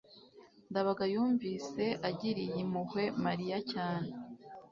ndabaga yumvise agiriye impuhwe mariya cyane